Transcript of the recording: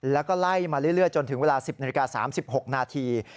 แล้วก็ไล่มาเรื่อยจนถึงเวลา๑๐นาฬิกา๓๖นาที